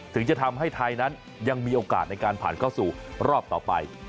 ถึงจะทำให้ไทยนั้นยังมีโอกาสในการผ่านเข้าสู่รอบต่อไป